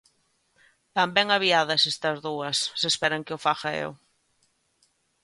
_¡Van ben aviadas estas dúas, se esperan que o faga eu!